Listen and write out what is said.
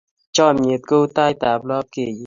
Chomnyet kou taitab lapkeiyet.